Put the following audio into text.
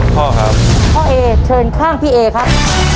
พ่อครับพ่อเอเชิญข้างพี่เอครับ